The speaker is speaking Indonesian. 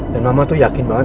dan mama tuh yakin banget